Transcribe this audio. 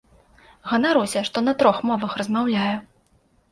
Ганаруся, што на трох мовах размаўляю.